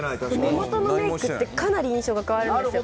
目元のメイクってかなり印象が変わるんですよ。